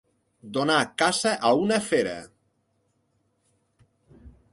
Donar caça a una fera.